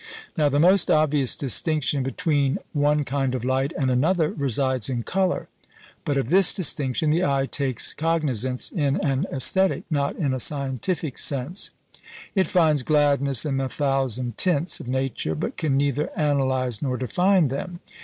Now the most obvious distinction between one kind of light and another resides in colour. But of this distinction the eye takes cognisance in an æsthetic, not in a scientific sense. It finds gladness in the "thousand tints" of nature, but can neither analyse nor define them.